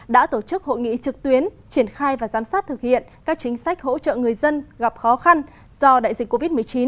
đã tổ chức hội nghị trực tuyến triển khai và giám sát thực hiện các chính sách hỗ trợ người dân gặp khó khăn do đại dịch covid một mươi chín